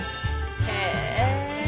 へえ。